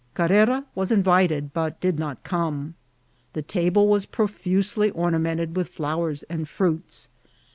Carrera was invited, but did not come. The ta« ble was proftisely ornamented with flowers and fruits.